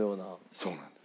そうなんです。